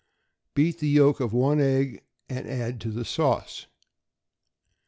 Beat the yolk of one egg, and add to the sauce.